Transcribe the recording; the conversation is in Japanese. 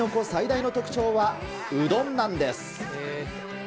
最大の特徴は、うどんなんです。